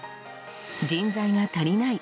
人材が足りない。